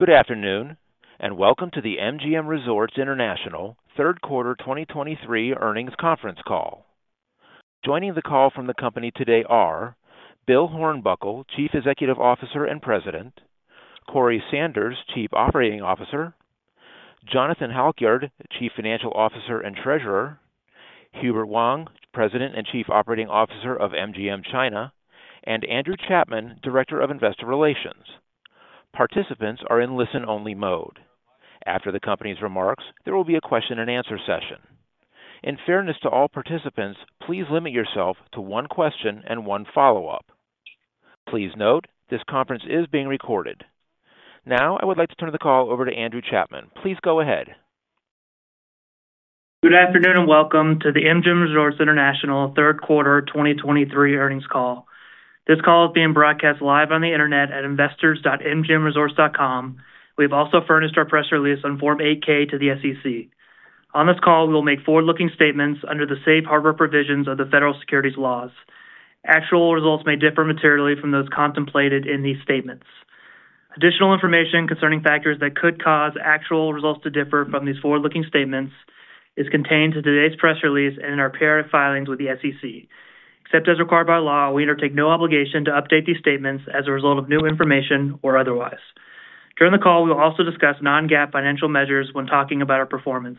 Good afternoon, and welcome to the MGM Resorts International third quarter 2023 earnings conference call. Joining the call from the company today are: Bill Hornbuckle, Chief Executive Officer and President; Corey Sanders, Chief Operating Officer; Jonathan Halkyard, Chief Financial Officer and Treasurer; Hubert Wang, President and Chief Operating Officer of MGM China; and Andrew Chapman, Director of Investor Relations. Participants are in listen-only mode. After the company's remarks, there will be a question-and-answer session. In fairness to all participants, please limit yourself to one question and one follow-up. Please note, this conference is being recorded. Now, I would like to turn the call over to Andrew Chapman. Please go ahead. Good afternoon, and welcome to the MGM Resorts International third quarter 2023 earnings call. This call is being broadcast live on the internet at investors.mgmresorts.com. We've also furnished our press release on Form 8-K to the SEC. On this call, we will make forward-looking statements under the safe harbor provisions of the Federal Securities laws. Actual results may differ materially from those contemplated in these statements. Additional information concerning factors that could cause actual results to differ from these forward-looking statements is contained in today's press release and in our prior filings with the SEC. Except as required by law, we undertake no obligation to update these statements as a result of new information or otherwise. During the call, we'll also discuss non-GAAP financial measures when talking about our performance.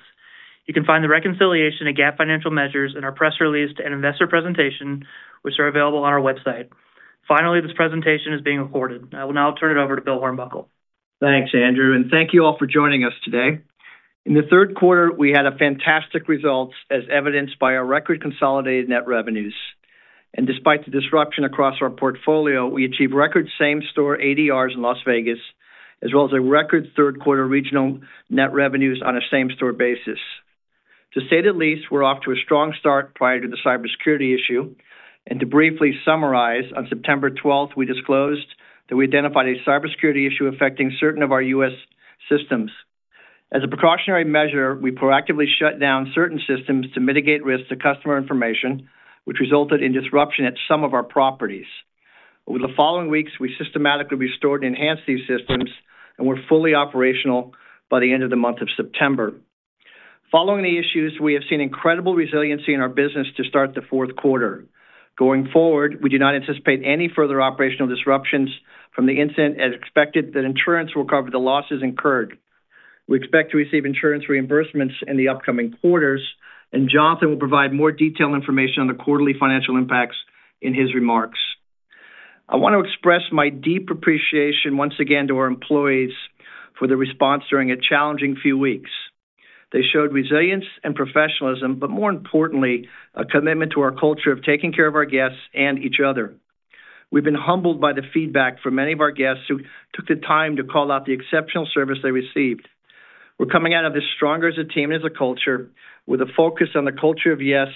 You can find the reconciliation of GAAP financial measures in our press release to an investor presentation, which are available on our website. Finally, this presentation is being recorded. I will now turn it over to Bill Hornbuckle. Thanks, Andrew, and thank you all for joining us today. In the third quarter, we had fantastic results as evidenced by our record consolidated net revenues. Despite the disruption across our portfolio, we achieved record same-store ADRs in Las Vegas, as well as a record third quarter regional net revenues on a same-store basis. To say the least, we're off to a strong start prior to the cybersecurity issue, and to briefly summarize, on September twelfth, we disclosed that we identified a cybersecurity issue affecting certain of our U.S. systems. As a precautionary measure, we proactively shut down certain systems to mitigate risks to customer information, which resulted in disruption at some of our properties. Over the following weeks, we systematically restored and enhanced these systems, and were fully operational by the end of the month of September. Following the issues, we have seen incredible resiliency in our business to start the fourth quarter. Going forward, we do not anticipate any further operational disruptions from the incident, as expected, that insurance will cover the losses incurred. We expect to receive insurance reimbursements in the upcoming quarters, and Jonathan will provide more detailed information on the quarterly financial impacts in his remarks. I want to express my deep appreciation once again to our employees for their response during a challenging few weeks. They showed resilience and professionalism, but more importantly, a commitment to our culture of taking care of our guests and each other. We've been humbled by the feedback from many of our guests who took the time to call out the exceptional service they received. We're coming out of this stronger as a team and as a culture, with a focus on the Culture of Yes,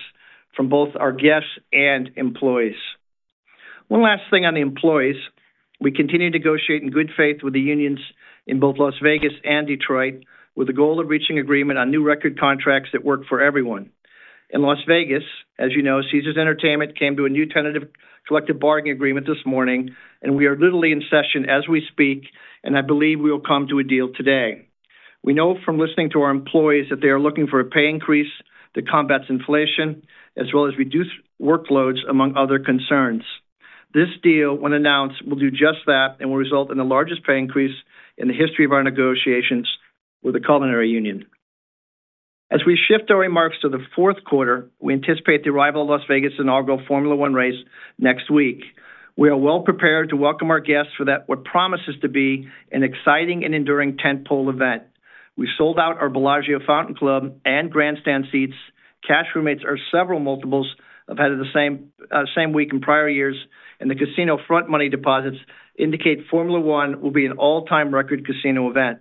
from both our guests and employees. One last thing on the employees. We continue to negotiate in good faith with the unions in both Las Vegas and Detroit, with the goal of reaching agreement on new record contracts that work for everyone. In Las Vegas, as you know, Caesars Entertainment came to a new tentative collective bargaining agreement this morning, and we are literally in session as we speak, and I believe we will come to a deal today. We know from listening to our employees that they are looking for a pay increase that combats inflation, as well as reduced workloads, among other concerns. This deal, when announced, will do just that and will result in the largest pay increase in the history of our negotiations with the Culinary Union. As we shift our remarks to the fourth quarter, we anticipate the arrival of Las Vegas inaugural Formula One race next week. We are well prepared to welcome our guests for that, what promises to be an exciting and enduring tentpole event. We sold out our Bellagio Fountain Club and Grandstand seats. Cash room rates are several multiples of ahead of the same, same week in prior years, and the casino front money deposits indicate Formula One will be an all-time record casino event.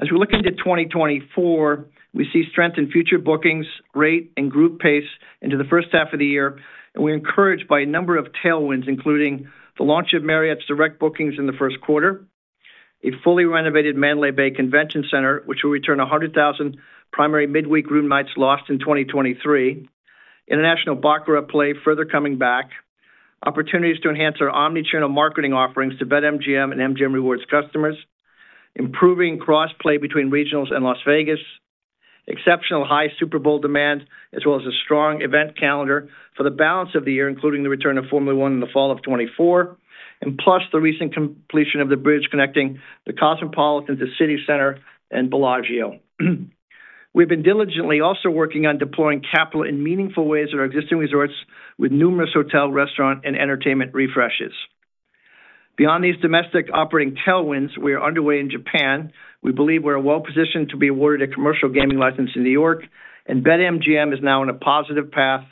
As we look into 2024, we see strength in future bookings, rate, and group pace into the first half of the year, and we're encouraged by a number of tailwinds, including the launch of Marriott's direct bookings in the first quarter, a fully renovated Mandalay Bay Convention Center, which will return 100,000 primary midweek room nights lost in 2023. International baccarat play further coming back. Opportunities to enhance our omni-channel marketing offerings to BetMGM and MGM Rewards customers, improving cross-play between regionals and Las Vegas, exceptional high Super Bowl demand, as well as a strong event calendar for the balance of the year, including the return of Formula One in the fall of 2024, and plus the recent completion of the bridge connecting The Cosmopolitan to CityCenter and Bellagio. We've been diligently also working on deploying capital in meaningful ways in our existing resorts with numerous hotel, restaurant, and entertainment refreshes. Beyond these domestic operating tailwinds, we are underway in Japan. We believe we're well-positioned to be awarded a commercial gaming license in New York, and BetMGM is now on a positive path.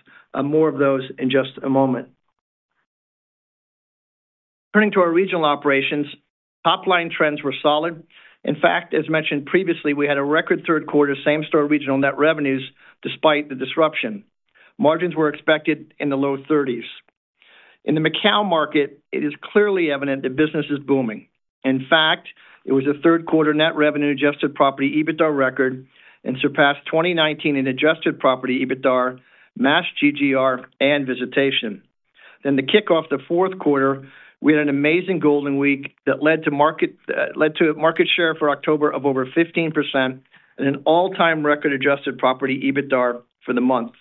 More of those in just a moment. Turning to our regional operations, top-line trends were solid. In fact, as mentioned previously, we had a record third quarter same-store regional net revenues, despite the disruption. Margins were expected in the low 30s. In the Macau market, it is clearly evident that business is booming. In fact, it was a third quarter net revenue adjusted property EBITDA record, and surpassed 2019 in adjusted property EBITDA, Mass GGR, and visitation. To kick off the fourth quarter, we had an amazing Golden Week that led to a market share for October of over 15% and an all-time record adjusted property EBITDAR for the month.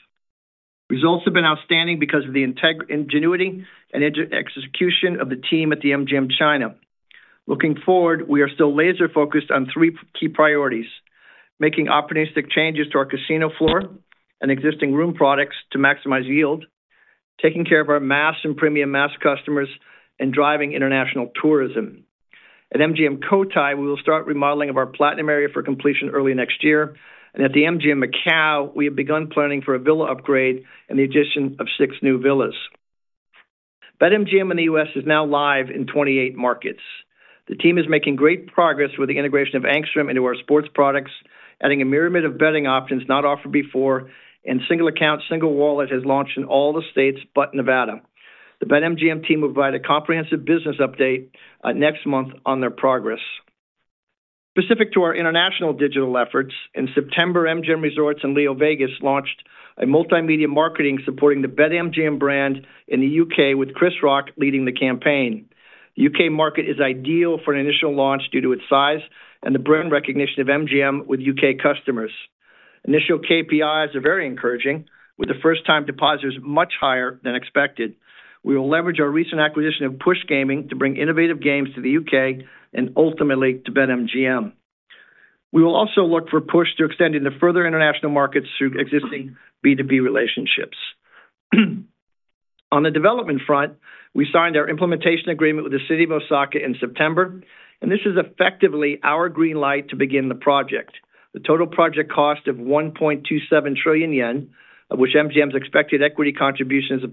Results have been outstanding because of the ingenuity and execution of the team at the MGM China. Looking forward, we are still laser-focused on three key priorities: making opportunistic changes to our casino floor and existing room products to maximize yield, taking care of our mass and premium mass customers, and driving international tourism. At MGM Cotai, we will start remodeling of our platinum area for completion early next year, and at the MGM Macau, we have begun planning for a villa upgrade and the addition of six new villas. BetMGM in the U.S. is now live in 28 markets. The team is making great progress with the integration of Angstrom into our sports products, adding a myriad of betting options not offered before, and single account, single wallet has launched in all the states but Nevada. The BetMGM team will provide a comprehensive business update next month on their progress. Specific to our international digital efforts, in September, MGM Resorts and LeoVegas launched a multimedia marketing supporting the BetMGM brand in the U.K., with Chris Rock leading the campaign. The U.K. market is ideal for an initial launch due to its size and the brand recognition of MGM with U.K. customers. Initial KPIs are very encouraging, with the first-time depositors much higher than expected. We will leverage our recent acquisition of Push Gaming to bring innovative games to the U.K. and ultimately to BetMGM. We will also look for Push to extend into further international markets through existing B2B relationships. On the development front, we signed our implementation agreement with the City of Osaka in September, and this is effectively our green light to begin the project. The total project cost of 1.27 trillion yen, of which MGM's expected equity contribution is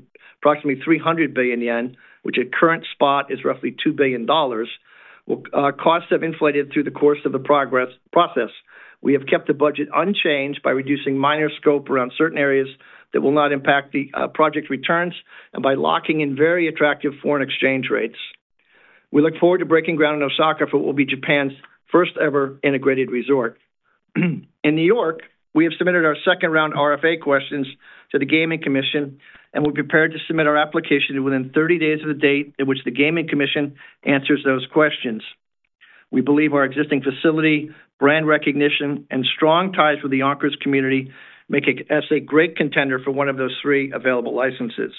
approximately 300 billion yen, which at current spot is roughly $2 billion. Well, costs have inflated through the course of the process. We have kept the budget unchanged by reducing minor scope around certain areas that will not impact the project returns, and by locking in very attractive foreign exchange rates. We look forward to breaking ground in Osaka, for it will be Japan's first-ever integrated resort. In New York, we have submitted our second-round RFA questions to the Gaming Commission, and we're prepared to submit our application within 30 days of the date at which the Gaming Commission answers those questions. We believe our existing facility, brand recognition, and strong ties with the Yonkers community make us a great contender for one of those three available licenses.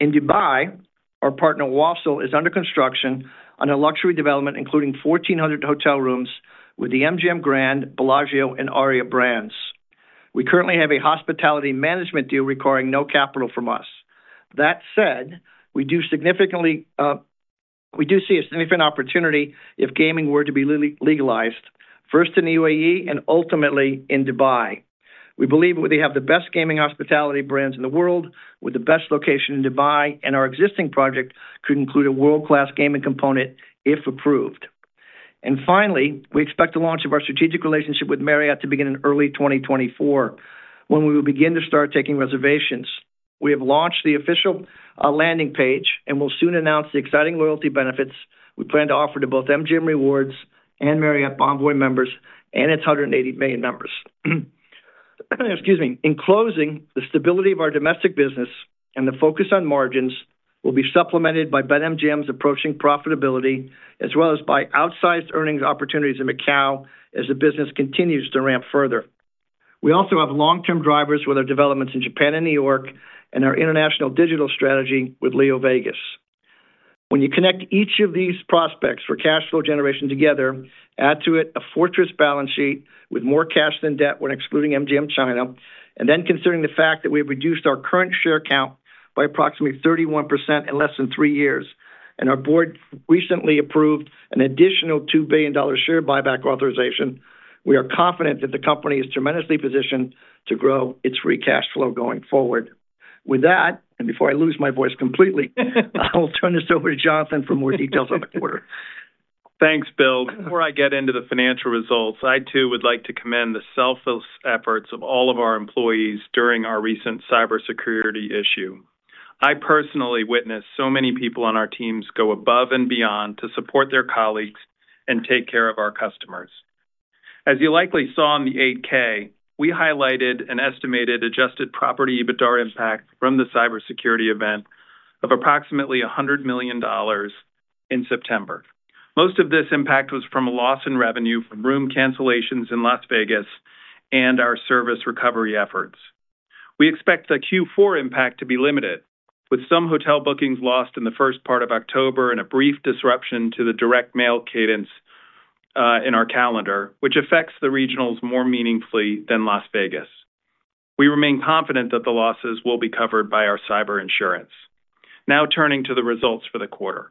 In Dubai, our partner, Wasl, is under construction on a luxury development, including 1,400 hotel rooms with the MGM Grand, Bellagio, and ARIA brands. We currently have a hospitality management deal requiring no capital from us. That said, we do significantly, we do see a significant opportunity if gaming were to be legalized, first in the UAE and ultimately in Dubai. We believe we have the best gaming hospitality brands in the world, with the best location in Dubai, and our existing project could include a world-class gaming component if approved. And finally, we expect the launch of our strategic relationship with Marriott to begin in early 2024, when we will begin to start taking reservations. We have launched the official, landing page and will soon announce the exciting loyalty benefits we plan to offer to both MGM Rewards and Marriott Bonvoy members and its 180 million members. Excuse me. In closing, the stability of our domestic business and the focus on margins will be supplemented by BetMGM's approaching profitability, as well as by outsized earnings opportunities in Macau as the business continues to ramp further. We also have long-term drivers with our developments in Japan and New York and our international digital strategy with LeoVegas. When you connect each of these prospects for cash flow generation together, add to it a fortress balance sheet with more cash than debt when excluding MGM China, and then considering the fact that we've reduced our current share count by approximately 31% in less than 3 years, and our board recently approved an additional $2 billion share buyback authorization, we are confident that the company is tremendously positioned to grow its free cash flow going forward. With that, and before I lose my voice completely, I will turn this over to Jonathan for more details on the quarter. Thanks, Bill. Before I get into the financial results, I too would like to commend the selfless efforts of all of our employees during our recent cybersecurity issue. I personally witnessed so many people on our teams go above and beyond to support their colleagues and take care of our customers. As you likely saw in the 8-K, we highlighted an estimated adjusted property EBITDAR impact from the cybersecurity event of approximately $100 million in September. Most of this impact was from a loss in revenue from room cancellations in Las Vegas and our service recovery efforts. We expect the Q4 impact to be limited, with some hotel bookings lost in the first part of October and a brief disruption to the direct mail cadence in our calendar, which affects the regionals more meaningfully than Las Vegas. We remain confident that the losses will be covered by our cyber insurance. Now, turning to the results for the quarter.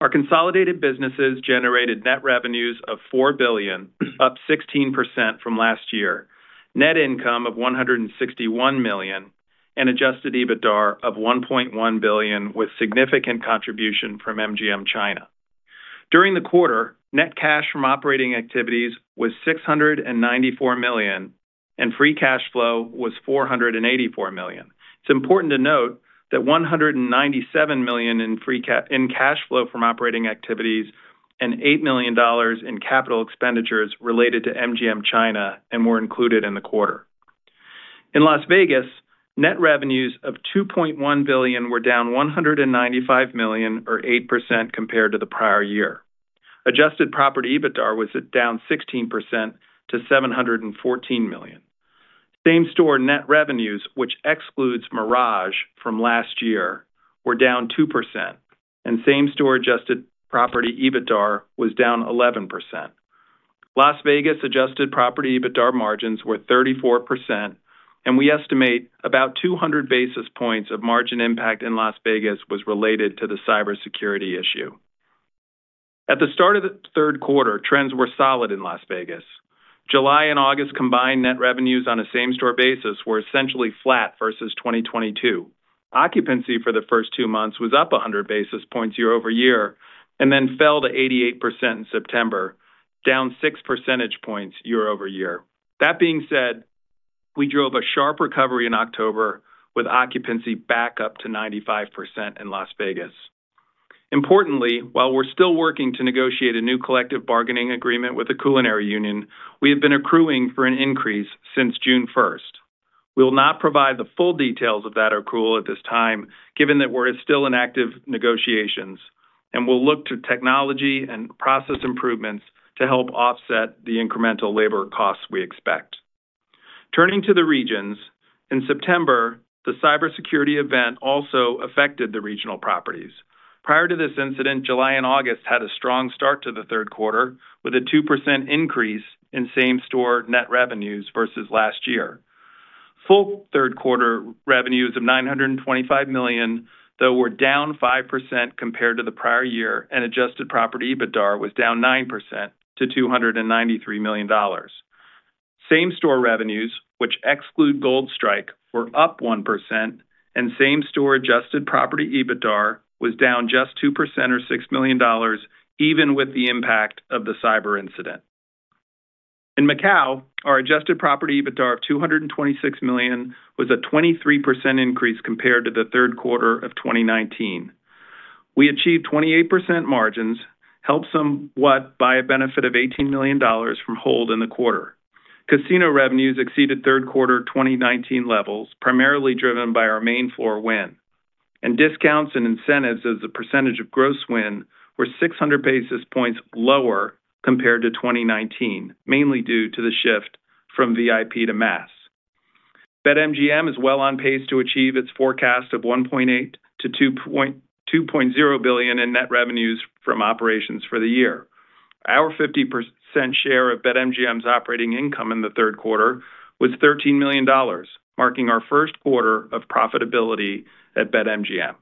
Our consolidated businesses generated net revenues of $4 billion, up 16% from last year, net income of $161 million, and adjusted EBITDAR of $1.1 billion, with significant contribution from MGM China. During the quarter, net cash from operating activities was $694 million, and free cash flow was $484 million. It's important to note that $197 million in cash flow from operating activities... and $8 million in capital expenditures related to MGM China were included in the quarter. In Las Vegas, net revenues of $2.1 billion were down $195 million, or 8% compared to the prior year. Adjusted Property EBITDAR was down 16% to $714 million. Same-store net revenues, which excludes Mirage from last year, were down 2%, and same-store Adjusted Property EBITDAR was down 11%. Las Vegas Adjusted Property EBITDAR margins were 34%, and we estimate about 200 basis points of margin impact in Las Vegas was related to the cybersecurity issue. At the start of the third quarter, trends were solid in Las Vegas. July and August combined net revenues on a same-store basis were essentially flat versus 2022. Occupancy for the first two months was up 100 basis points year-over-year, and then fell to 88% in September, down 6 percentage points year-over-year. That being said, we drove a sharp recovery in October, with occupancy back up to 95% in Las Vegas. Importantly, while we're still working to negotiate a new collective bargaining agreement with the Culinary Union, we have been accruing for an increase since June 1st. We will not provide the full details of that accrual at this time, given that we're still in active negotiations, and we'll look to technology and process improvements to help offset the incremental labor costs we expect. Turning to the regions, in September, the cybersecurity event also affected the regional properties. Prior to this incident, July and August had a strong start to the third quarter, with a 2% increase in same-store net revenues versus last year. Full third quarter revenues of $925 million, though, were down 5% compared to the prior year, and adjusted property EBITDAR was down 9% to $293 million. Same-store revenues, which exclude Gold Strike, were up 1%, and same-store adjusted property EBITDAR was down just 2% or $6 million, even with the impact of the cyber incident. In Macau, our adjusted property EBITDAR of $226 million was a 23% increase compared to the third quarter of 2019. We achieved 28% margins, helped somewhat by a benefit of $18 million from hold in the quarter. Casino revenues exceeded third quarter 2019 levels, primarily driven by our main floor win, and discounts and incentives as a percentage of gross win were 600 basis points lower compared to 2019, mainly due to the shift from VIP to mass. BetMGM is well on pace to achieve its forecast of $1.8 billion-$2.0 billion in net revenues from operations for the year. Our 50% share of BetMGM's operating income in the third quarter was $13 million, marking our first quarter of profitability at BetMGM.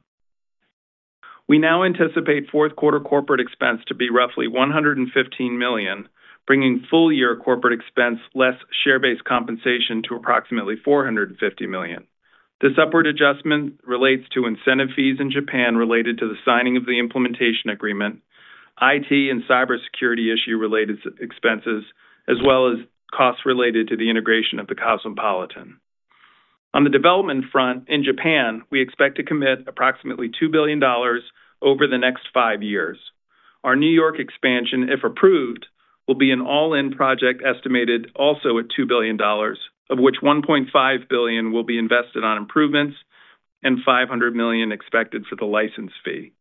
We now anticipate fourth quarter corporate expense to be roughly $115 million, bringing full-year corporate expense less share-based compensation to approximately $450 million. This upward adjustment relates to incentive fees in Japan related to the signing of the implementation agreement, IT and cybersecurity issue-related expenses, as well as costs related to the integration of The Cosmopolitan. On the development front, in Japan, we expect to commit approximately $2 billion over the next five years. Our New York expansion, if approved, will be an all-in project estimated also at $2 billion, of which $1.5 billion will be invested on improvements and $500 million expected for the license fee.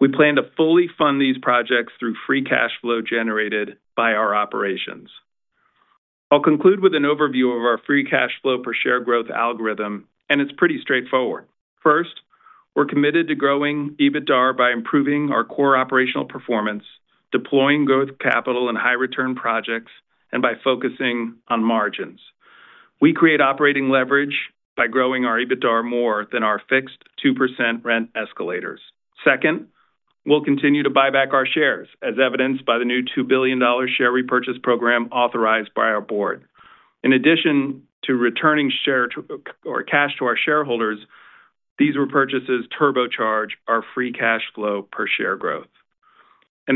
We plan to fully fund these projects through free cash flow generated by our operations. I'll conclude with an overview of our free cash flow per share growth algorithm, and it's pretty straightforward. First, we're committed to growing EBITDAR by improving our core operational performance, deploying growth capital and high return projects, and by focusing on margins. We create operating leverage by growing our EBITDAR more than our fixed 2% rent escalators. Second, we'll continue to buy back our shares, as evidenced by the new $2 billion share Repurchase Program authorized by our board. In addition to returning shares or cash to our shareholders, these repurchases turbocharge our free cash flow per share growth.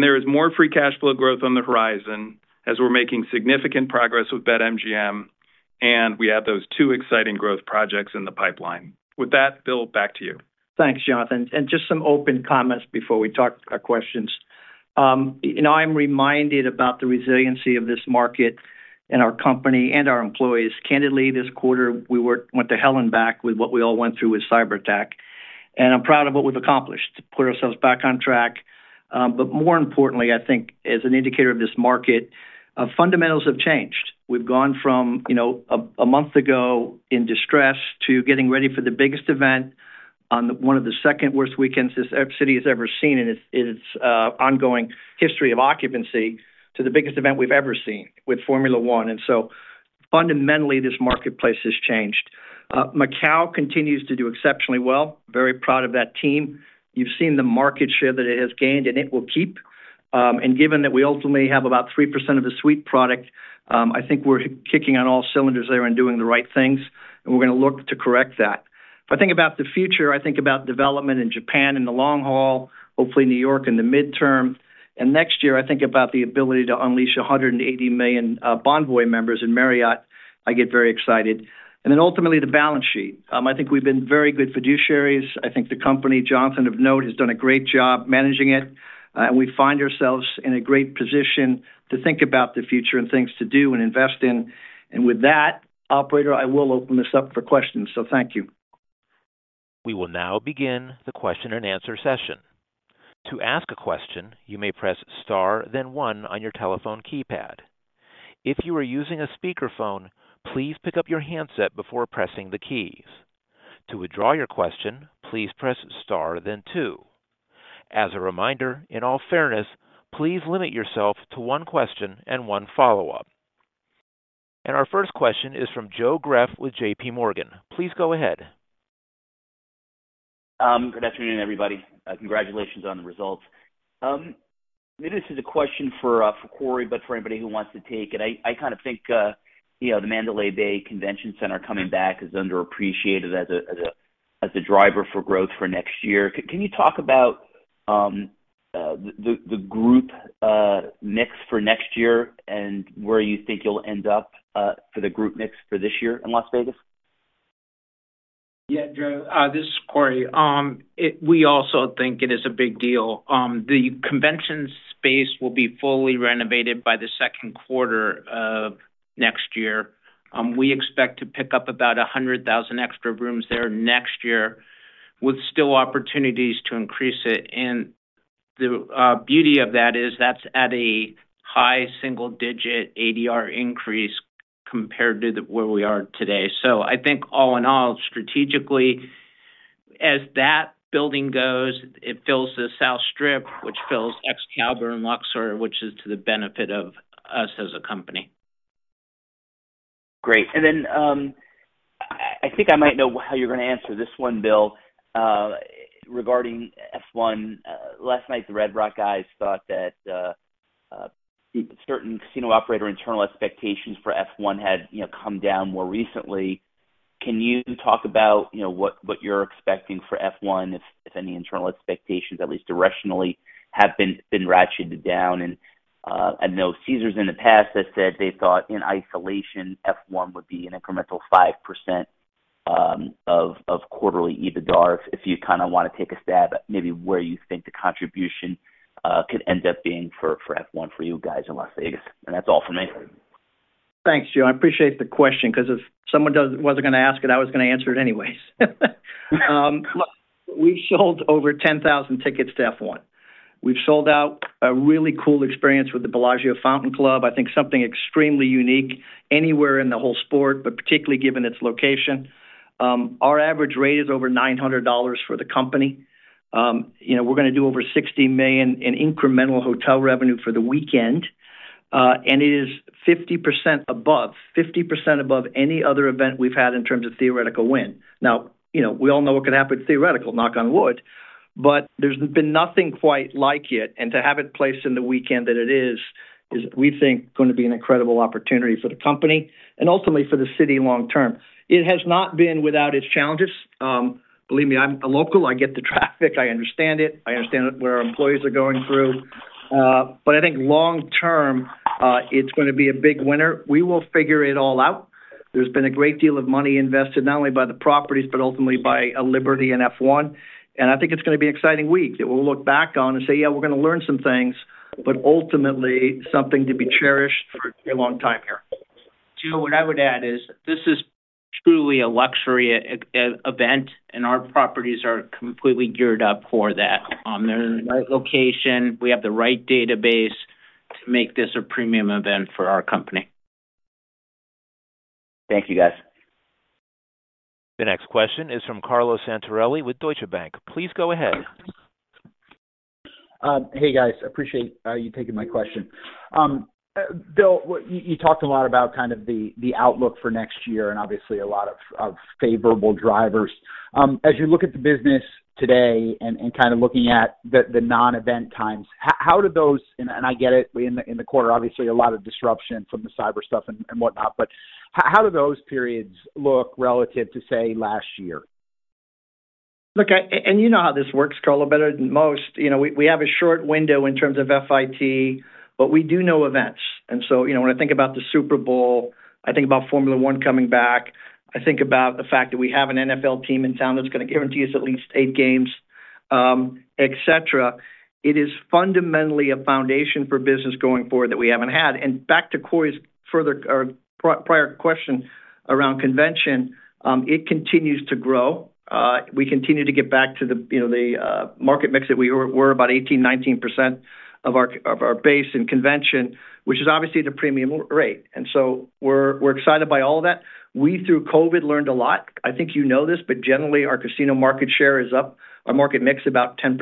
There is more free cash flow growth on the horizon as we're making significant progress with BetMGM, and we have those two exciting growth projects in the pipeline. With that, Bill, back to you. Thanks, Jonathan. And just some open comments before we talk our questions. You know, I'm reminded about the resiliency of this market and our company and our employees. Candidly, this quarter, we went to hell and back with what we all went through with cyberattack, and I'm proud of what we've accomplished to put ourselves back on track. But more importantly, I think as an indicator of this market, fundamentals have changed. We've gone from, you know, a month ago in distress to getting ready for the biggest event on one of the second worst weekends this city has ever seen in its ongoing history of occupancy, to the biggest event we've ever seen with Formula One. And so, fundamentally, this marketplace has changed. Macau continues to do exceptionally well. Very proud of that team. You've seen the market share that it has gained, and it will keep. And given that we ultimately have about 3% of the suite product, I think we're kicking on all cylinders there and doing the right things, and we're going to look to correct that. If I think about the future, I think about development in Japan in the long haul, hopefully New York in the midterm, and next year, I think about the ability to unleash 180 million Bonvoy members in Marriott. I get very excited. And then ultimately, the balance sheet. I think we've been very good fiduciaries. I think the company, Jonathan of Note, has done a great job managing it, and we find ourselves in a great position to think about the future and things to do and invest in. With that, operator, I will open this up for questions. Thank you. We will now begin the question and answer session. To ask a question, you may press star, then 1 on your telephone keypad. If you are using a speakerphone, please pick up your handset before pressing the keys. To withdraw your question, please press star then 2. As a reminder, in all fairness, please limit yourself to one question and one follow-up. Our first question is from Joe Greff with J.P. Morgan. Please go ahead. Good afternoon, everybody. Congratulations on the results. This is a question for Corey, but for anybody who wants to take it. I kind of think you know, the Mandalay Bay Convention Center coming back is underappreciated as a driver for growth for next year. Can you talk about the group mix for next year and where you think you'll end up for the group mix for this year in Las Vegas? Yeah, Joe, this is Corey. We also think it is a big deal. The convention space will be fully renovated by the second quarter of next year. We expect to pick up about 100,000 extra rooms there next year, with still opportunities to increase it. And the beauty of that is, that's at a high single-digit ADR increase compared to where we are today. So I think all in all, strategically, as that building goes, it fills the South Strip, which fills Excalibur and Luxor, which is to the benefit of us as a company. Great. And then, I think I might know how you're going to answer this one, Bill, regarding F1. Last night, the Red Rock guys thought that certain casino operator internal expectations for F1 had, you know, come down more recently. Can you talk about, you know, what you're expecting for F1, if any internal expectations, at least directionally, have been ratcheted down? And, I know Caesars in the past has said they thought in isolation, F1 would be an incremental 5% of quarterly EBITDA, if you kind of want to take a stab at maybe where you think the contribution could end up being for F1 for you guys in Las Vegas. And that's all for me. Thanks, Joe. I appreciate the question, because if someone does-- wasn't going to ask it, I was going to answer it anyways. We've sold over 10,000 tickets to F1. We've sold out a really cool experience with the Bellagio Fountain Club. I think something extremely unique anywhere in the whole sport, but particularly given its location. Our average rate is over $900 for the company. You know, we're going to do over $60 million in incremental hotel revenue for the weekend, and it is 50% above, 50% above any other event we've had in terms of theoretical win. Now, you know, we all know what could happen to theoretical, knock on wood, but there's been nothing quite like it, and to have it placed in the weekend that it is, is, we think, going to be an incredible opportunity for the company and ultimately for the city long term. It has not been without its challenges. Believe me, I'm a local, I get the traffic, I understand it. I understand what our employees are going through. But I think long term, it's going to be a big winner. We will figure it all out. There's been a great deal of money invested, not only by the properties, but ultimately by Liberty and F1. I think it's going to be an exciting week that we'll look back on and say, "Yeah, we're going to learn some things," but ultimately, something to be cherished for a long time here. Joe, what I would add is, this is truly a luxury event, and our properties are completely geared up for that. They're in the right location. We have the right database to make this a premium event for our company. Thank you, guys. The next question is from Carlo Santarelli with Deutsche Bank. Please go ahead. Hey, guys, appreciate you taking my question. Bill, you talked a lot about kind of the outlook for next year and obviously a lot of favorable drivers. As you look at the business today and kind of looking at the non-event times, how do those... And I get it, in the quarter, obviously, a lot of disruption from the cyber stuff and whatnot, but how do those periods look relative to, say, last year? Look, I and you know how this works, Carlo, better than most. You know, we, we have a short window in terms of FIT, but we do know events, and so, you know, when I think about the Super Bowl, I think about Formula One coming back, I think about the fact that we have an NFL team in town that's going to guarantee us at least 8 games, etc. It is fundamentally a foundation for business going forward that we haven't had. And back to Corey's further or prior question around convention, it continues to grow. We continue to get back to the, you know, the market mix that we were, were about 18-19% of our, of our base in convention, which is obviously at a premium rate, and so we're, we're excited by all of that. We, through COVID, learned a lot. I think you know this, but generally, our casino market share is up, our market mix about 10%,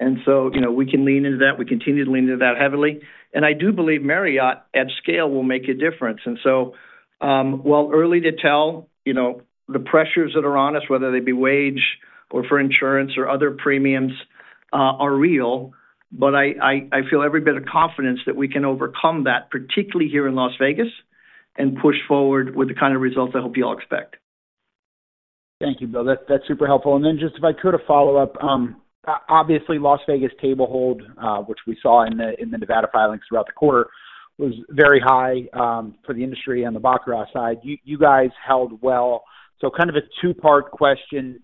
and so, you know, we can lean into that. We continue to lean into that heavily. And I do believe Marriott at scale will make a difference, and so, while early to tell, you know, the pressures that are on us, whether they be wage or for insurance or other premiums, are real, but I feel every bit of confidence that we can overcome that, particularly here in Las Vegas, and push forward with the kind of results I hope you all expect. Thank you, Bill. That's super helpful. And then just if I could, a follow-up. Obviously, Las Vegas table hold, which we saw in the Nevada filings throughout the quarter, was very high for the industry on the baccarat side. You guys held well. So kind of a two-part question.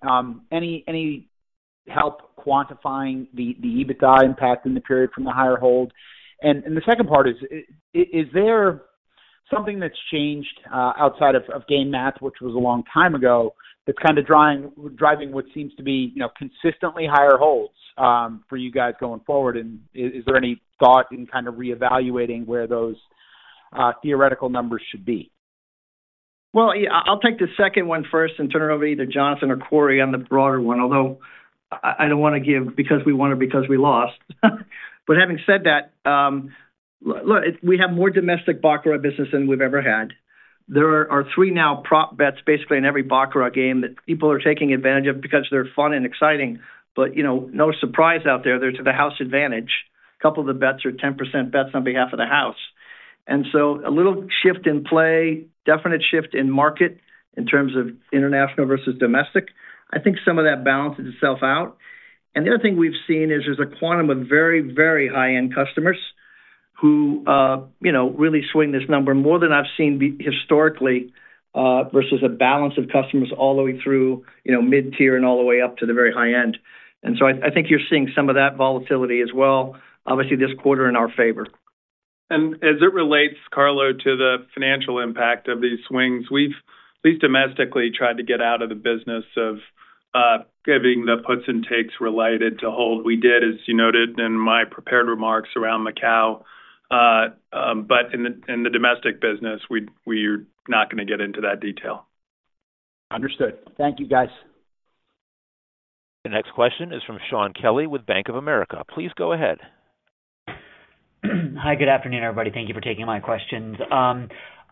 Any, any, help quantifying the EBITDA impact in the period from the higher hold. And the second part is, is there something that's changed outside of game math, which was a long time ago, that's kind of driving what seems to be, you know, consistently higher holds for you guys going forward? And is there any thought in kind of reevaluating where those theoretical numbers should be? Well, yeah, I'll take the second one first and turn it over to either Jonathan or Corey on the broader one, although I don't want to give because we won or because we lost. But having said that, look, we have more domestic baccarat business than we've ever had. There are three now prop bets, basically, in every baccarat game that people are taking advantage of because they're fun and exciting. But, you know, no surprise out there, there's the house advantage. A couple of the bets are 10% bets on behalf of the house. And so a little shift in play, definite shift in market in terms of international versus domestic. I think some of that balances itself out. And the other thing we've seen is there's a quantum of very, very high-end customers who, you know, really swing this number more than I've seen be historically, versus a balance of customers all the way through, you know, mid-tier and all the way up to the very high end. And so I think you're seeing some of that volatility as well, obviously, this quarter in our favor. As it relates, Carlo, to the financial impact of these swings, we've at least domestically tried to get out of the business of giving the puts and takes related to hold. We did, as you noted in my prepared remarks around Macau, but in the domestic business, we're not going to get into that detail. Understood. Thank you, guys. The next question is from Shaun Kelley with Bank of America. Please go ahead. Hi, good afternoon, everybody. Thank you for taking my questions.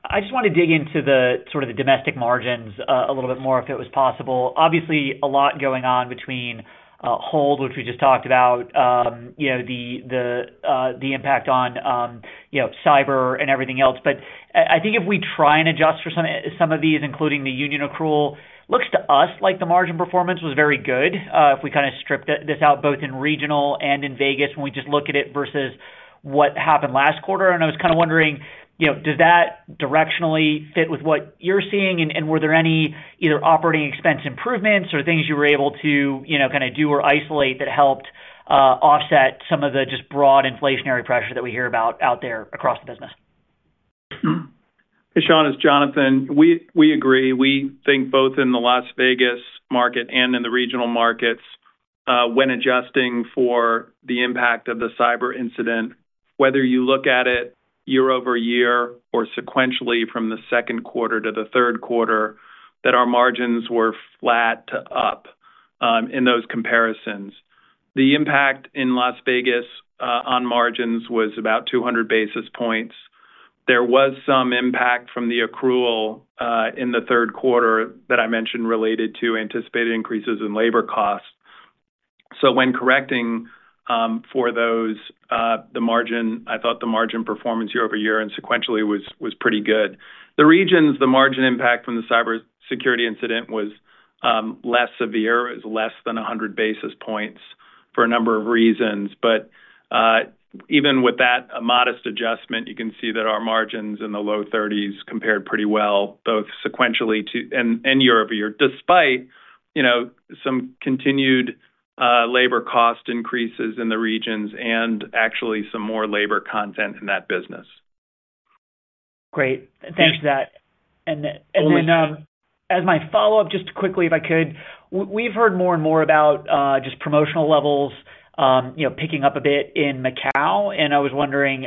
I just want to dig into the, sort of the domestic margins, a little bit more, if it was possible. Obviously, a lot going on between, hold, which we just talked about, you know, the, the, the impact on, you know, cyber and everything else. But I, I think if we try and adjust for some, some of these, including the union accrual, looks to us like the margin performance was very good, if we kind of stripped, this out, both in regional and in Vegas, when we just look at it versus what happened last quarter. And I was kind of wondering, you know, does that directionally fit with what you're seeing? Were there any either operating expense improvements or things you were able to, you know, kind of do or isolate that helped offset some of the just broad inflationary pressure that we hear about out there across the business? Hey, Shaun, it's Jonathan. We agree. We think both in the Las Vegas market and in the regional markets, when adjusting for the impact of the cyber incident, whether you look at it year-over-year or sequentially from the second quarter to the third quarter, that our margins were flat to up in those comparisons. The impact in Las Vegas on margins was about 200 basis points. There was some impact from the accrual in the third quarter that I mentioned, related to anticipated increases in labor costs. So when correcting for those, the margin, I thought the margin performance year-over-year and sequentially was pretty good. The regions, the margin impact from the cybersecurity incident was less severe. It was less than 100 basis points for a number of reasons. But, even with that, a modest adjustment, you can see that our margins in the low 30s% compared pretty well, both sequentially to... and year over year, despite, you know, some continued labor cost increases in the regions and actually some more labor content in that business. Great. Thanks for that. And then, as my follow-up, just quickly, if I could, we've heard more and more about just promotional levels, you know, picking up a bit in Macau, and I was wondering,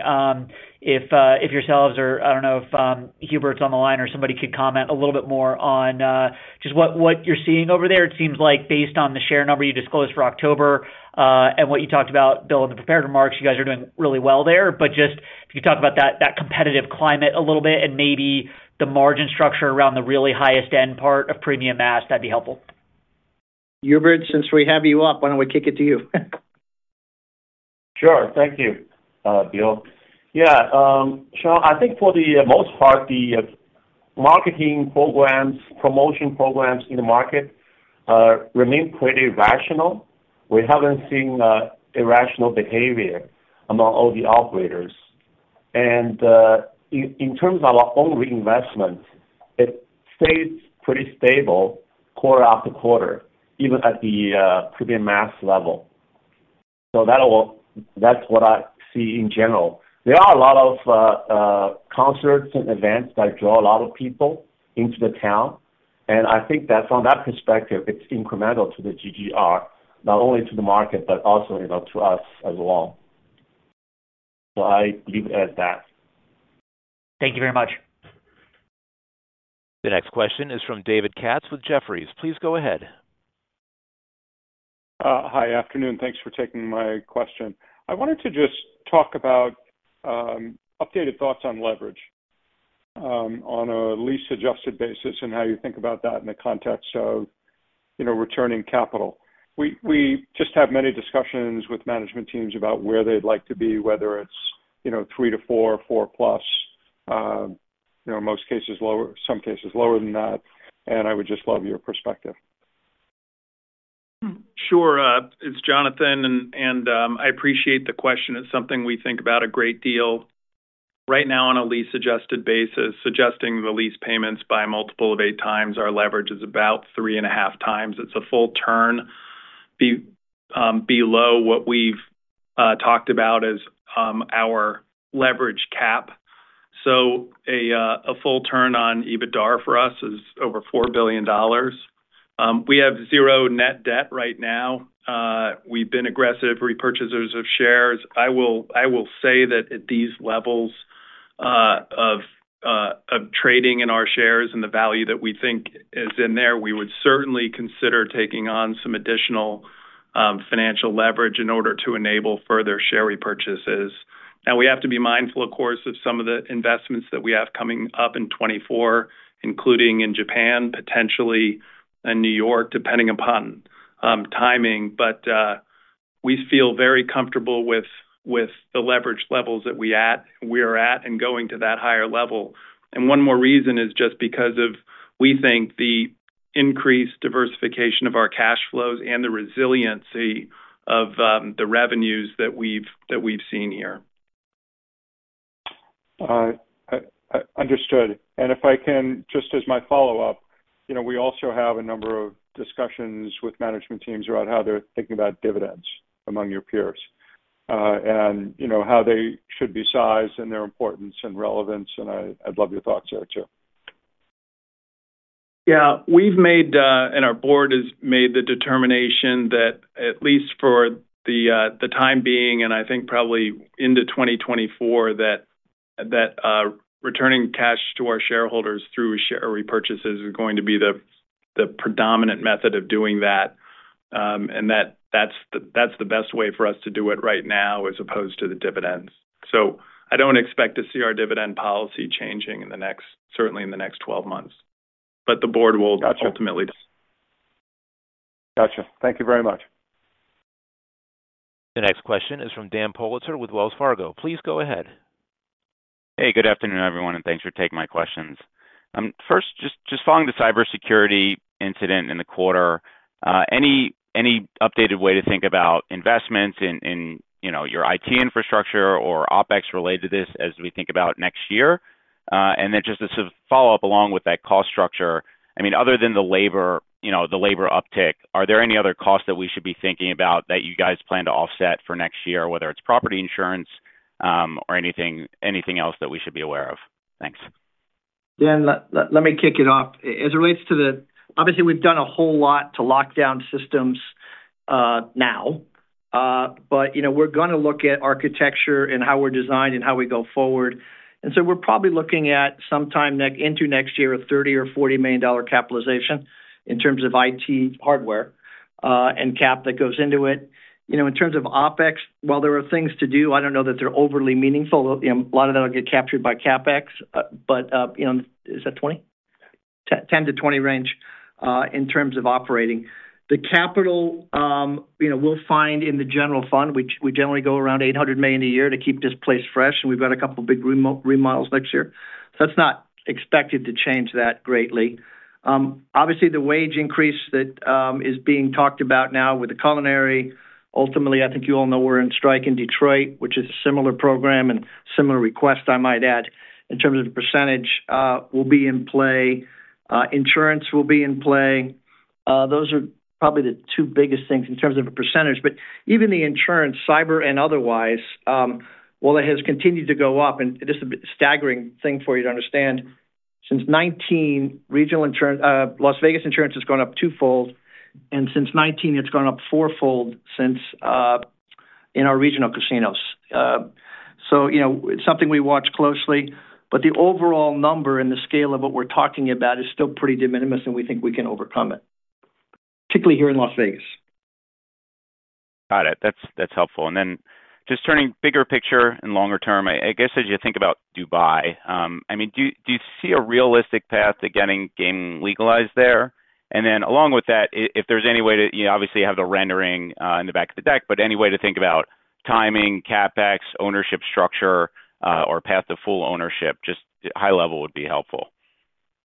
if yourselves or I don't know if Hubert's on the line or somebody could comment a little bit more on just what you're seeing over there. It seems like based on the share number you disclosed for October, and what you talked about, Bill, in the prepared remarks, you guys are doing really well there. But just if you could talk about that competitive climate a little bit, and maybe the margin structure around the really highest end part of premium mass, that'd be helpful. Hubert, since we have you up, why don't we kick it to you? Sure. Thank you, Bill. Yeah, Shaun, I think for the most part, the marketing programs, promotion programs in the market remain pretty rational. We haven't seen irrational behavior among all the operators. And in terms of our own reinvestment, it stays pretty stable quarter after quarter, even at the premium mass level. So that's what I see in general. There are a lot of concerts and events that draw a lot of people into the town, and I think that from that perspective, it's incremental to the GGR, not only to the market, but also, you know, to us as well. So I leave it at that. Thank you very much. The next question is from David Katz with Jefferies. Please go ahead. Hi, afternoon. Thanks for taking my question. I wanted to just talk about updated thoughts on leverage on a lease-adjusted basis and how you think about that in the context of, you know, returning capital. We just have many discussions with management teams about where they'd like to be, whether it's, you know, 3-4, 4+, you know, in most cases, lower, some cases lower than that. And I would just love your perspective. Sure. It's Jonathan, and I appreciate the question. It's something we think about a great deal. Right now, on a lease-adjusted basis, suggesting the lease payments by a multiple of 8x, our leverage is about 3.5x. It's a full turn below what we've talked about as our leverage cap. So a full turn on EBITDAR for us is over $4 billion. We have 0 net debt right now. We've been aggressive repurchasers of shares. I will say that at these levels of trading in our shares and the value that we think is in there, we would certainly consider taking on some additional financial leverage in order to enable further share repurchases. Now, we have to be mindful, of course, of some of the investments that we have coming up in 2024, including in Japan, potentially in New York, depending upon timing. But, we feel very comfortable with, with the leverage levels that we are at and going to that higher level. And one more reason is just because of we think the increased diversification of our cash flows and the resiliency of, the revenues that we've, that we've seen here. Understood. And if I can, just as my follow-up, you know, we also have a number of discussions with management teams around how they're thinking about dividends among your peers, and, you know, how they should be sized and their importance and relevance, and I'd love your thoughts there, too. Yeah, we've made, and our board has made the determination that at least for the time being, and I think probably into 2024, that returning cash to our shareholders through share repurchases is going to be the predominant method of doing that. And that, that's the best way for us to do it right now, as opposed to the dividends. So I don't expect to see our dividend policy changing in the next—certainly in the next 12 months, but the board will- Got you. ultimately. Got you. Thank you very much. The next question is from Dan Politzer with Wells Fargo. Please go ahead. Hey, good afternoon, everyone, and thanks for taking my questions. First, just following the cybersecurity incident in the quarter, any updated way to think about investments in, you know, your IT infrastructure or OpEx related to this as we think about next year? And then just a sort of follow-up along with that cost structure. I mean, other than the labor, you know, the labor uptick, are there any other costs that we should be thinking about that you guys plan to offset for next year, whether it's property insurance, or anything else that we should be aware of? Thanks. Dan, let me kick it off. As it relates to the—obviously, we've done a whole lot to lock down systems now. But, you know, we're gonna look at architecture and how we're designed and how we go forward. And so we're probably looking at sometime next year, a $30-$40 million capitalization in terms of IT hardware, and CapEx that goes into it. You know, in terms of OpEx, while there are things to do, I don't know that they're overly meaningful. You know, a lot of that will get captured by CapEx, but, you know... Is that 20? 10-20 range, in terms of operating. The capital, you know, we'll find in the general fund, which we generally go around $800 million a year to keep this place fresh, and we've got a couple big remodels next year. So that's not expected to change that greatly. Obviously, the wage increase that is being talked about now with the Culinary, ultimately, I think you all know we're in strike in Detroit, which is a similar program and similar request, I might add, in terms of the percentage, will be in play. Insurance will be in play. Those are probably the two biggest things in terms of a percentage, but even the insurance, cyber and otherwise, while it has continued to go up, and this is a bit staggering thing for you to understand, since 2019, regional insurance, Las Vegas insurance has gone up twofold, and since 2019, it's gone up fourfold in our regional casinos. So, you know, it's something we watch closely, but the overall number and the scale of what we're talking about is still pretty de minimis, and we think we can overcome it, particularly here in Las Vegas. Got it. That's, that's helpful. And then just turning bigger picture and longer term, I, I guess, as you think about Dubai, I mean, do you, do you see a realistic path to getting gaming legalized there? And then along with that, if there's any way to, you know, obviously, you have the rendering in the back of the deck, but any way to think about timing, CapEx, ownership structure, or path to full ownership, just high level would be helpful.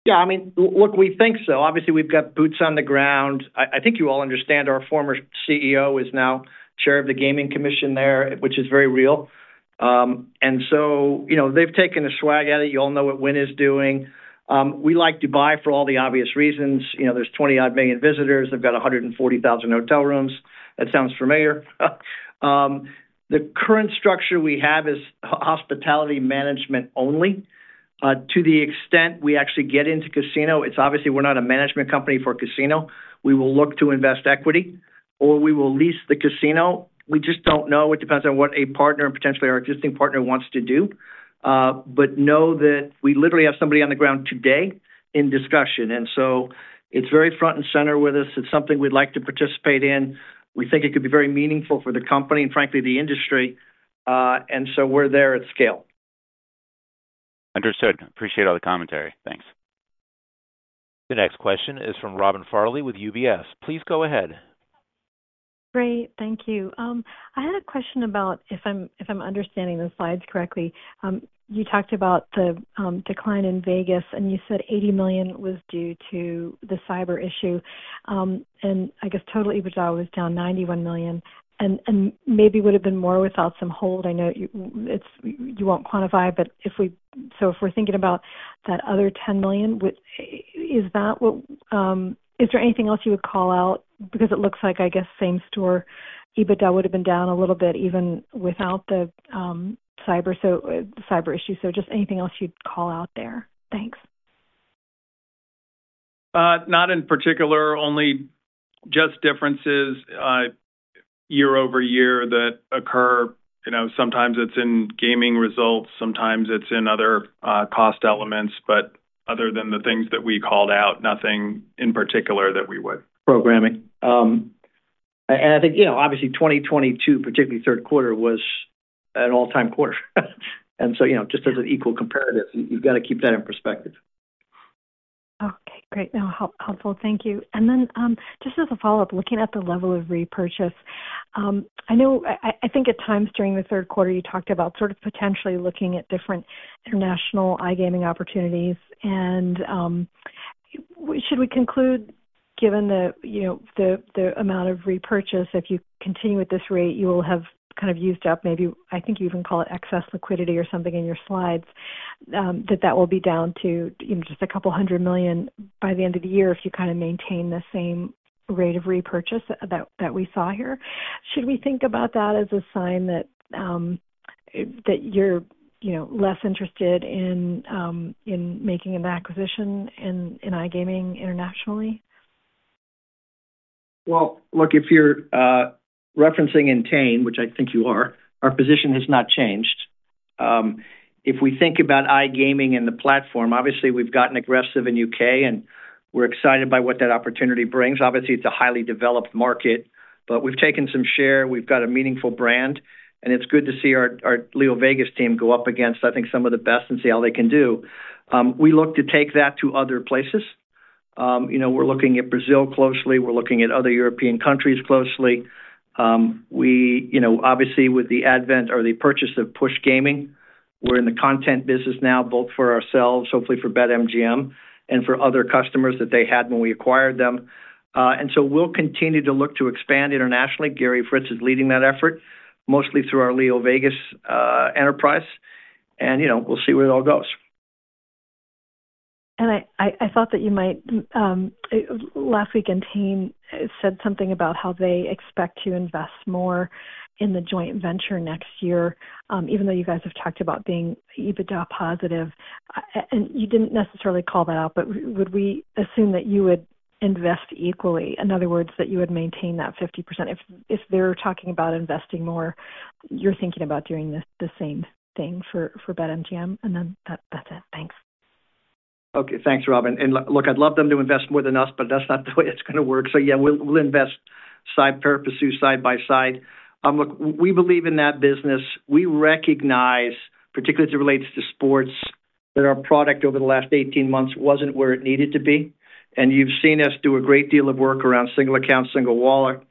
Yeah, I mean, look, we think so. Obviously, we've got boots on the ground. I think you all understand our former CEO is now chair of the gaming commission there, which is very real. And so, you know, they've taken a swag at it. You all know what Wynn is doing. We like Dubai for all the obvious reasons. You know, there's 20-odd million visitors. They've got 140,000 hotel rooms. That sounds familiar. The current structure we have is hospitality management only. To the extent we actually get into casino, it's obviously we're not a management company for a casino. We will look to invest equity, or we will lease the casino. We just don't know. It depends on what a partner and potentially our existing partner wants to do. But know that we literally have somebody on the ground today in discussion, and so it's very front and center with us. It's something we'd like to participate in. We think it could be very meaningful for the company and frankly, the industry, and so we're there at scale. Understood. Appreciate all the commentary. Thanks. The next question is from Robin Farley with UBS. Please go ahead. Great. Thank you. I had a question about if I'm understanding the slides correctly. You talked about the decline in Vegas, and you said $80 million was due to the cyber issue. And I guess total EBITDA was down $91 million and maybe would have been more without some hold. I know you won't quantify, but if we're thinking about that other $10 million, is there anything else you would call out? Because it looks like same-store EBITDA would have been down a little bit, even without the cyber issue. So just anything else you'd call out there? Thanks. Not in particular, only just differences year over year that occur. You know, sometimes it's in gaming results, sometimes it's in other cost elements, but other than the things that we called out, nothing in particular that we would. Programming. I think, you know, obviously 2022, particularly third quarter, was an all-time quarter. And so, you know, just as an equal comparative, you've got to keep that in perspective. Okay, great. No, how helpful. Thank you. And then, just as a follow-up, looking at the level of repurchase, I know, I think at times during the third quarter, you talked about sort of potentially looking at different international iGaming opportunities. And, should we conclude, given the, you know, the amount of repurchase, if you continue at this rate, you will have kind of used up maybe I think you even call it excess liquidity or something in your slides, that will be down to, you know, just $200 million by the end of the year, if you kind of maintain the same rate of repurchase that we saw here. Should we think about that as a sign that, that you're, you know, less interested in, in making an acquisition in iGaming internationally? Well, look, if you're referencing Entain, which I think you are, our position has not changed. If we think about iGaming and the platform, obviously we've gotten aggressive in U.K., and we're excited by what that opportunity brings. Obviously, it's a highly developed market, but we've taken some share. We've got a meaningful brand, and it's good to see our LeoVegas team go up against, I think, some of the best and see how they can do. We look to take that to other places. You know, we're looking at Brazil closely. We're looking at other European countries closely. You know, obviously with the advent or the purchase of Push Gaming, we're in the content business now, both for ourselves, hopefully for BetMGM and for other customers that they had when we acquired them. We'll continue to look to expand internationally. Gary Fritz is leading that effort, mostly through our LeoVegas enterprise. You know, we'll see where it all goes. I thought that you might last week, Entain said something about how they expect to invest more in the joint venture next year. Even though you guys have talked about being EBITDA positive, and you didn't necessarily call that out, but would we assume that you would invest equally? In other words, that you would maintain that 50% if they're talking about investing more, you're thinking about doing the same thing for BetMGM. And then that's it. Thanks. Okay, thanks, Robin. And look, I'd love them to invest more than us, but that's not the way it's going to work. So yeah, we'll invest side by side, pursue side by side. Look, we believe in that business. We recognize, particularly as it relates to sports, that our product over the last 18 months wasn't where it needed to be. And you've seen us do a great deal of work around single account, single wallet.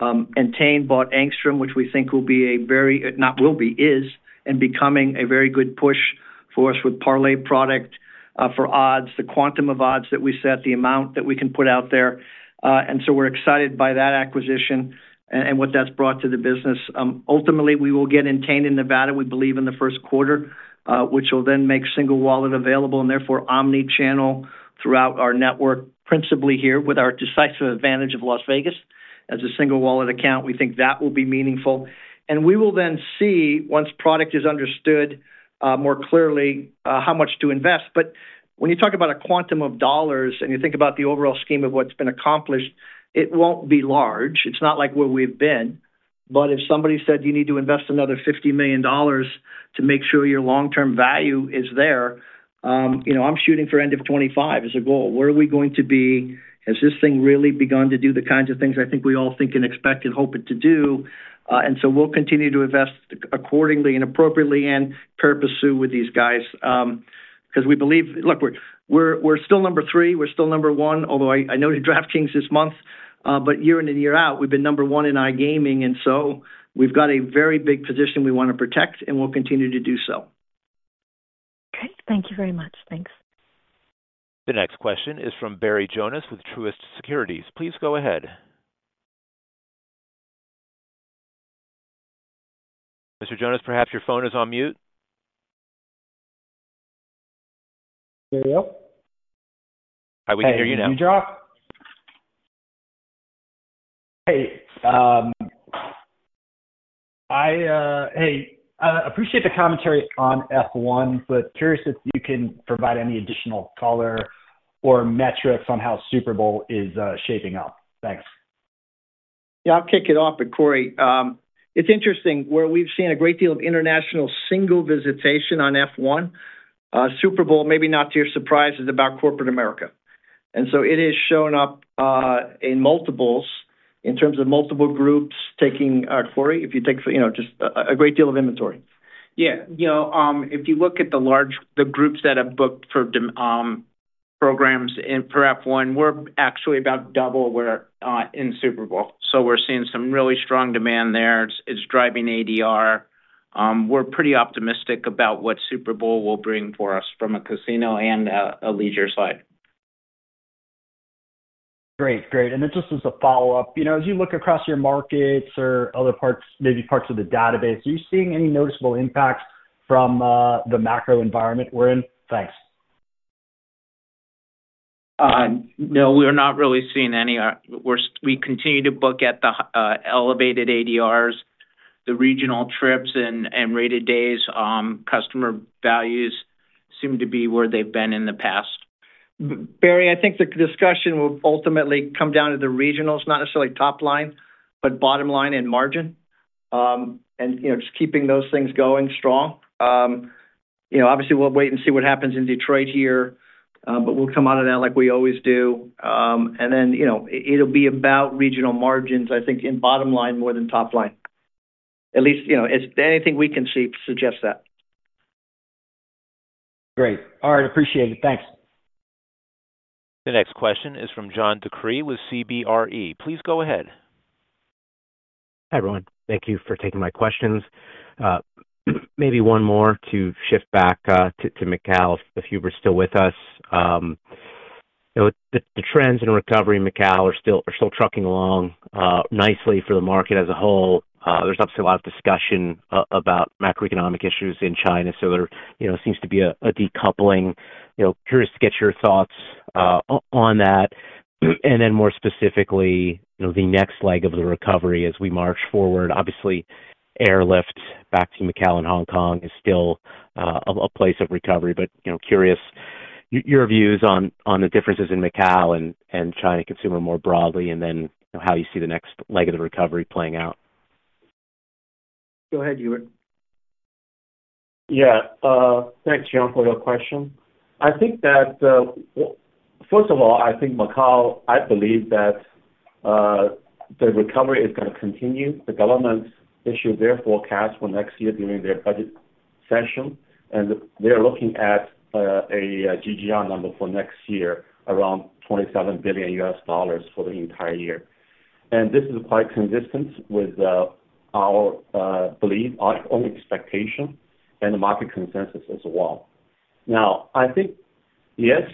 Entain bought Angstrom, which we think will be a very - not will be, is, and becoming a very good push for us with parlay product, for odds, the quantum of odds that we set, the amount that we can put out there. And so we're excited by that acquisition and what that's brought to the business. Ultimately, we will get Entain in Nevada, we believe in the first quarter, which will then make single wallet available and therefore omni-channel throughout our network, principally here with our decisive advantage of Las Vegas. As a single wallet account, we think that will be meaningful. And we will then see, once product is understood more clearly, how much to invest. But when you talk about a quantum of dollars and you think about the overall scheme of what's been accomplished, it won't be large. It's not like where we've been, but if somebody said you need to invest another $50 million to make sure your long-term value is there, you know, I'm shooting for end of 2025 as a goal. Where are we going to be? Has this thing really begun to do the kinds of things I think we all think and expect and hope it to do? And so we'll continue to invest accordingly and appropriately and pursue with these guys, because we believe... Look, we're still number three. We're still number one, although I noted DraftKings this month, but year in and year out, we've been number one in iGaming, and so we've got a very big position we want to protect, and we'll continue to do so. Okay, thank you very much. Thanks. The next question is from Barry Jonas with Truist Securities. Please go ahead. Mr. Jonas, perhaps your phone is on mute. There we go. We can hear you now. Hey, you drop? Hey, I appreciate the commentary on F1, but curious if you can provide any additional color or metrics on how Super Bowl is shaping up. Thanks. Yeah, I'll kick it off with Corey. It's interesting, where we've seen a great deal of international single visitation on F1, Super Bowl, maybe not to your surprise, is about corporate America. And so it is showing up, in multiples, in terms of multiple groups taking, Corey, if you take, you know, just a great deal of inventory. Yeah, you know, if you look at the groups that have booked for, programs in for F1, we're actually about double where in Super Bowl. So we're seeing some really strong demand there. It's driving ADR. We're pretty optimistic about what Super Bowl will bring for us from a casino and a leisure side. Great. Great. And then just as a follow-up, you know, as you look across your markets or other parts, maybe parts of the database, are you seeing any noticeable impacts from the macro environment we're in? Thanks. No, we are not really seeing any. We continue to book at the elevated ADRs, the regional trips and rated days. Customer values seem to be where they've been in the past. Barry, I think the discussion will ultimately come down to the regionals, not necessarily top line, but bottom line and margin. And, you know, just keeping those things going strong. You know, obviously, we'll wait and see what happens in Detroit here, but we'll come out of that like we always do. And then, you know, it'll be about regional margins, I think, in bottom line more than top line. At least, you know, as anything we can see suggests that. Great. All right, appreciate it. Thanks. The next question is from John DeCree with CBRE. Please go ahead. Hi, everyone. Thank you for taking my questions. Maybe one more to shift back to Macau, if you were still with us. The trends in recovery in Macau are still trucking along nicely for the market as a whole. There's obviously a lot of discussion about macroeconomic issues in China, so there you know seems to be a decoupling. You know, curious to get your thoughts on that. And then more specifically, you know, the next leg of the recovery as we march forward. Obviously, airlift back to Macau and Hong Kong is still a place of recovery, but you know, curious your views on the differences in Macau and China consumer more broadly, and then how you see the next leg of the recovery playing out. Go ahead, Hubert. Yeah, thanks, John, for your question. I think that, first of all, I think Macau, I believe that, the recovery is gonna continue. The government issued their forecast for next year during their budget session, and they're looking at, a GGR number for next year, around $27 billion for the entire year. And this is quite consistent with, our, belief, our own expectation and the market consensus as well. Now, I think, yes,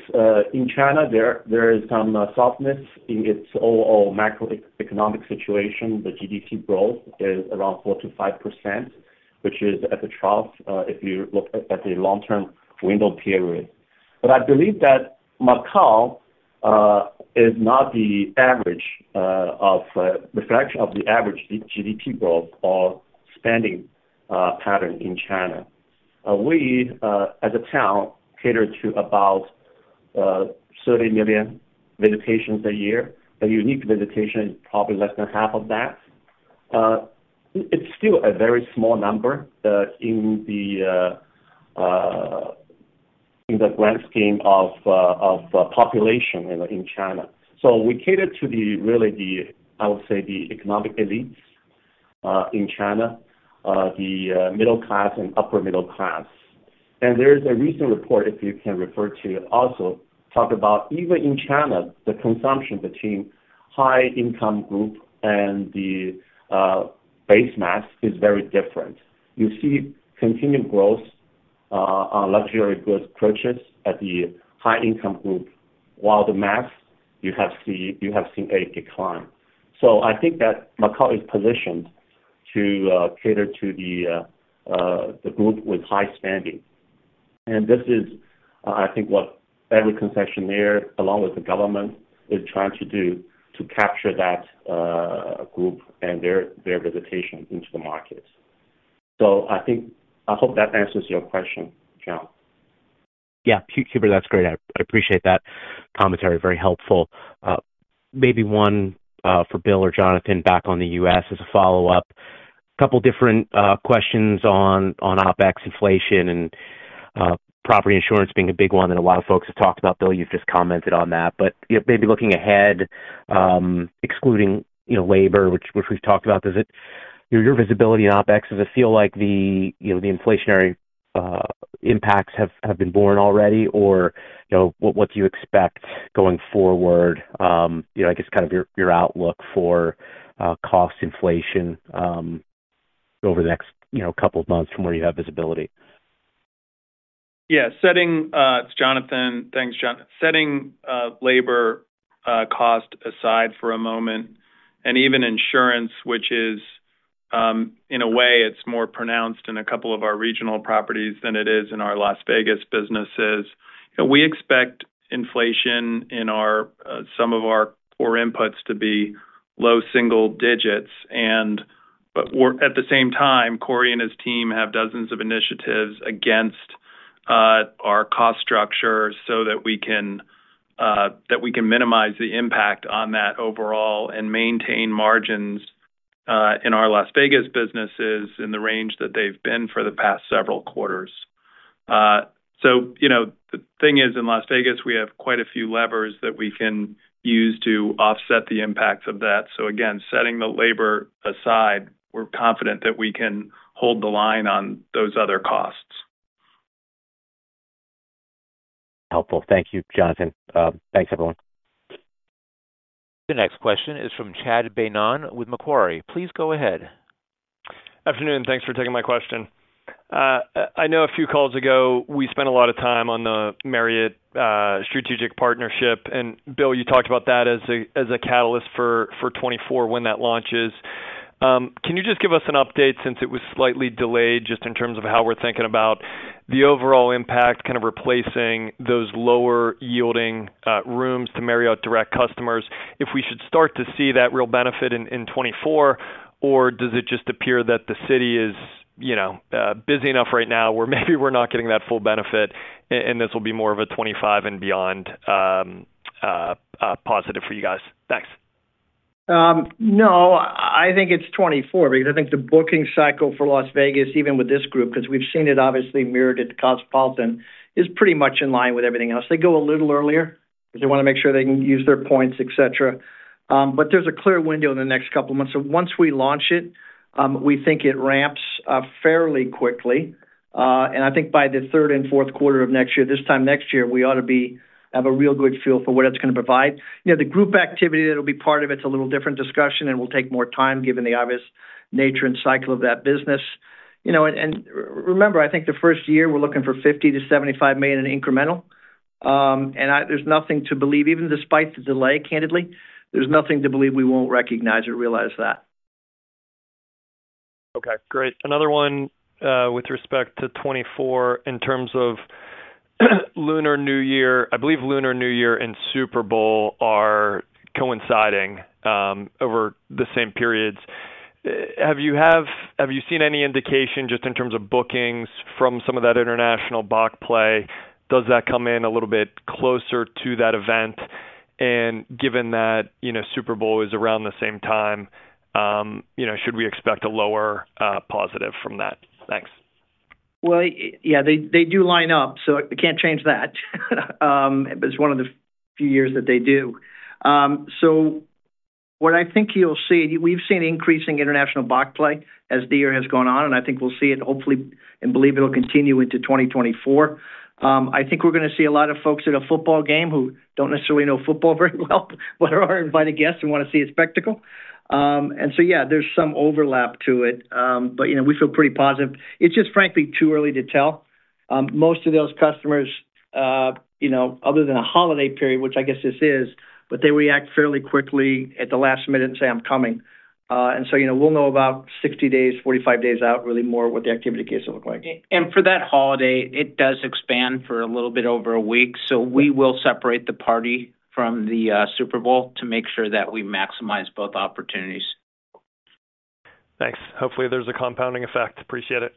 in China, there is some, softness in its overall macroeconomic situation. The GDP growth is around 4%-5%, which is at the trough, if you look at the long-term window period. But I believe that Macau, is not the average, of, reflection of the average GDP growth or spending, pattern in China. We, as a town, cater to about 30 million visitations a year. A unique visitation, probably less than half of that. It's still a very small number in the grand scheme of population in China. So we cater to really the, I would say, the economic elites in China, the middle class and upper middle class. And there is a recent report, if you can refer to, it also talk about, even in China, the consumption between high income group and the base mass is very different. You see continued growth on luxury goods purchased at the high income group, while the mass, you have seen a decline. So I think that Macau is positioned to cater to the group with high spending. This is, I think, what every concession there, along with the government, is trying to do to capture that group and their visitation into the market. So I think... I hope that answers your question, John. Yeah, Hubert, that's great. I appreciate that commentary. Very helpful. Maybe one for Bill or Jonathan back on the U.S. as a follow-up. A couple different questions on OpEx inflation and property insurance being a big one that a lot of folks have talked about. Bill, you've just commented on that. But, you know, maybe looking ahead, excluding, you know, labor, which we've talked about, does it... Your visibility on OpEx, does it feel like the, you know, the inflationary impacts have been borne already? Or, you know, what do you expect going forward? You know, I guess kind of your outlook for cost inflation over the next couple of months from where you have visibility. Yeah. It's Jonathan. Thanks, John. Setting labor cost aside for a moment, and even insurance, which is, in a way, more pronounced in a couple of our regional properties than it is in our Las Vegas businesses. We expect inflation in some of our core inputs to be low single digits. But we're at the same time, Corey and his team have dozens of initiatives against our cost structure so that we can minimize the impact on that overall and maintain margins in our Las Vegas businesses in the range that they've been for the past several quarters. So you know, the thing is, in Las Vegas, we have quite a few levers that we can use to offset the impacts of that. So again, setting the labor aside, we're confident that we can hold the line on those other costs. Helpful. Thank you, Jonathan. Thanks, everyone. The next question is from Chad Beynon with Macquarie. Please go ahead. Afternoon. Thanks for taking my question. I know a few calls ago, we spent a lot of time on the Marriott strategic partnership. And Bill, you talked about that as a catalyst for 2024 when that launches. Can you just give us an update, since it was slightly delayed, just in terms of how we're thinking about the overall impact, kind of replacing those lower yielding rooms to Marriott direct customers? If we should start to see that real benefit in 2024, or does it just appear that the city is, you know, busy enough right now, where maybe we're not getting that full benefit, and this will be more of a 2025 and beyond positive for you guys? Thanks. No, I think it's 24 because I think the booking cycle for Las Vegas, even with this group, 'cause we've seen it obviously mirrored at the Cosmopolitan, is pretty much in line with everything else. They go a little earlier because they wanna make sure they can use their points, et cetera. But there's a clear window in the next couple of months. So once we launch it, we think it ramps fairly quickly. And I think by the third and fourth quarter of next year, this time next year, we ought to have a real good feel for what it's gonna provide. You know, the group activity that'll be part of it, it's a little different discussion and will take more time, given the obvious nature and cycle of that business. You know, and remember, I think the first year, we're looking for $50 million-$75 million in incremental. And there's nothing to believe, even despite the delay, candidly, there's nothing to believe we won't recognize or realize that. Okay, great. Another one with respect to 2024 in terms of Lunar New Year. I believe Lunar New Year and Super Bowl are coinciding over the same periods. Have you seen any indication, just in terms of bookings from some of that international baccarat play? Does that come in a little bit closer to that event? And given that, you know, Super Bowl is around the same time, you know, should we expect a lower positive from that? Thanks. Well, yeah, they do line up, so I can't change that. But it's one of the few years that they do. So what I think you'll see, we've seen increasing international bac play as the year has gone on, and I think we'll see it, hopefully, and believe it'll continue into 2024. I think we're gonna see a lot of folks at a football game who don't necessarily know football very well, but are invited guests and wanna see a spectacle. And so, yeah, there's some overlap to it. But, you know, we feel pretty positive. It's just, frankly, too early to tell. Most of those customers, you know, other than a holiday period, which I guess this is, but they react fairly quickly at the last minute and say, "I'm coming." And so, you know, we'll know about 60 days, 45 days out, really more what the activity case will look like. And for that holiday, it does expand for a little bit over a week. So we will separate the party from the Super Bowl to make sure that we maximize both opportunities. Thanks. Hopefully, there's a compounding effect. Appreciate it.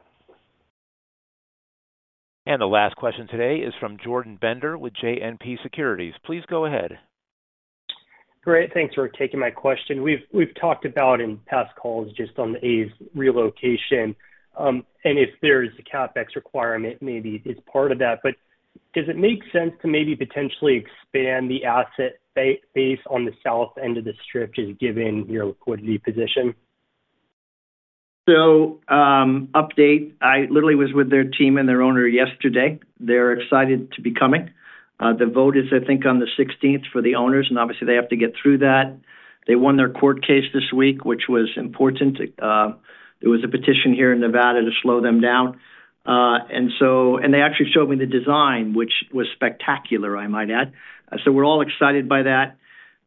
The last question today is from Jordan Bender with JMP Securities. Please go ahead. Great, thanks for taking my question. We've talked about in past calls just on the A's relocation, and if there's a CapEx requirement, maybe it's part of that. But does it make sense to maybe potentially expand the asset base on the south end of the Strip, just given your liquidity position? So, update. I literally was with their team and their owner yesterday. They're excited to be coming. The vote is, I think, on the 16th for the owners, and obviously, they have to get through that. They won their court case this week, which was important. There was a petition here in Nevada to slow them down. And so they actually showed me the design, which was spectacular, I might add. So we're all excited by that.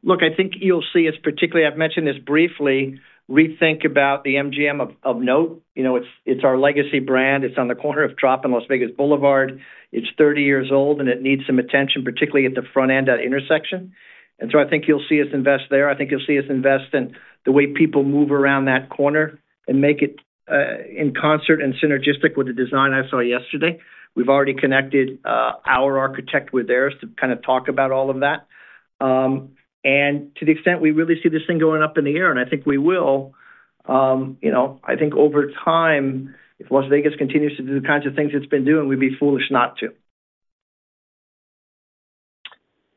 Look, I think you'll see us, particularly, I've mentioned this briefly, rethink about the MGM of note. You know, it's our legacy brand. It's on the corner of Trop and Las Vegas Boulevard. It's 30 years old, and it needs some attention, particularly at the front end, that intersection. And so I think you'll see us invest there. I think you'll see us invest in the way people move around that corner and make it in concert and synergistic with the design I saw yesterday. We've already connected our architect with theirs to kind of talk about all of that. And to the extent we really see this thing going up in the air, and I think we will, you know, I think over time, if Las Vegas continues to do the kinds of things it's been doing, we'd be foolish not to.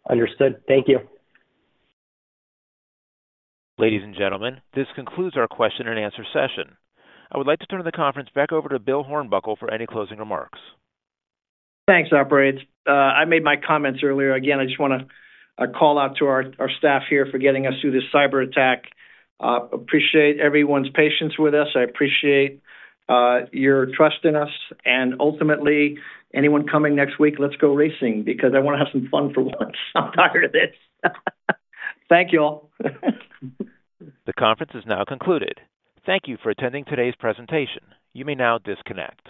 Understood. Thank you. Ladies and gentlemen, this concludes our question and answer session. I would like to turn the conference back over to Bill Hornbuckle for any closing remarks. Thanks, operator. I made my comments earlier. Again, I just wanna call out to our staff here for getting us through this cyberattack. Appreciate everyone's patience with us. I appreciate your trust in us, and ultimately, anyone coming next week, let's go racing, because I wanna have some fun for once. I'm tired of this. Thank you all. The conference is now concluded. Thank you for attending today's presentation. You may now disconnect.